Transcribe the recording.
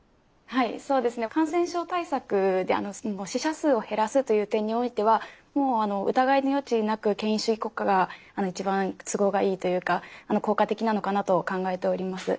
はいそうですね。感染症対策で死者数を減らすという点においてはもうあの疑いの余地なく権威主義国家がいちばん都合がいいというか効果的なのかなと考えております。